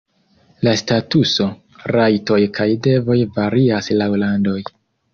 La statuso, rajtoj kaj devoj varias laŭ landoj.